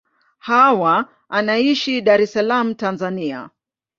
Hawa anaishi Dar es Salaam, Tanzania.